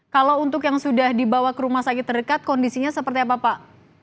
kalau untuk yang sudah dibawa ke rumah sakit terdekat kondisinya seperti apa pak